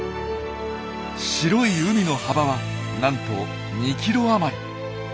白い海の幅はなんと２ｋｍ余り。